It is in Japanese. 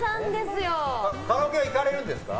カラオケは行かれるんですか？